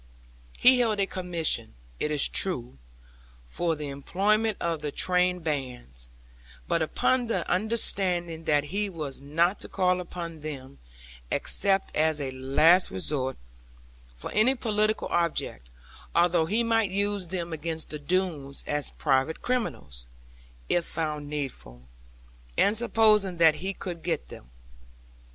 He held a commission, it is true, for the employment of the train bands, but upon the understanding that he was not to call upon them (except as a last resource), for any political object; although he might use them against the Doones as private criminals, if found needful; and supposing that he could get them.